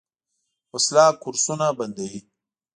وسله کورسونه بندوي